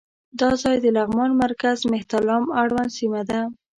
دا ځای د لغمان مرکز مهترلام اړوند سیمه ده.